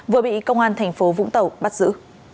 vừa bị công an tp vũng tàu bắt giữ